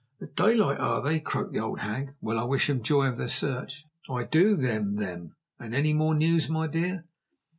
"At daylight, are they?" croaked the old hag. "Well, I wish 'em joy of their search, I do them them! Any more news, my dear?"